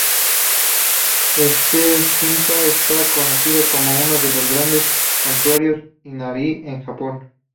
Este jinja es conocido como uno de los grandes santuarios Inari en Japón.